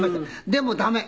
でも駄目。